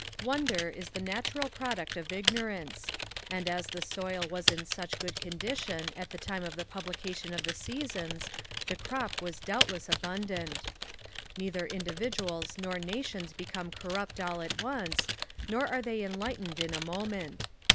Wonder is the natural product of Ignorance; and as the soil was in such good condition at the time of the publication of the Seasons the crop was doubtless abundant. Neither individuals nor nations become corrupt all at once, nor are they enlightened in a moment.